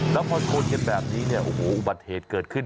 แล้วพอคนเจ็บแบบนี้โอ้โหอุบัติเหตุเกิดขึ้น